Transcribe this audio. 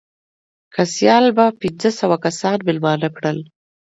که سیال به پنځه سوه کسان مېلمانه کړل.